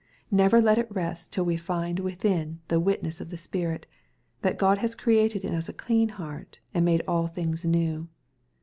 Never let us rest till we find withitt the witness of the Spirit, that God has created in us a clean heart, and made all things new.